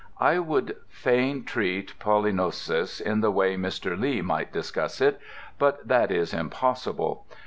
I would fain treat pollinosis in the way Mr. Lee might discuss it, but that is impossible.